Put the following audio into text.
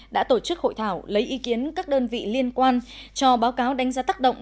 đã tổ chức hội thảo lấy ý kiến các đơn vị liên quan cho báo cáo đánh giá tác động